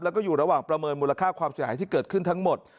แล้วก็อยู่ระหว่างประเมินมูลค่าความเสียหายที่เกิดขึ้นทั้งหมด